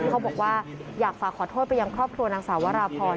เขาบอกว่าอยากฝากขอโทษไปยังครอบครัวนางสาววราพร